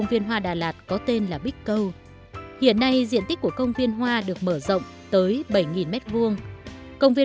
vì vậy cây đàn của con gái